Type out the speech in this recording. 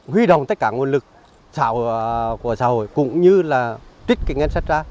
quý đồng tất cả nguồn lực của xã hội cũng như là tích cái ngân sách ra